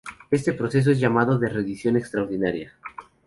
Este proceso es llamado de "rendición extraordinaria".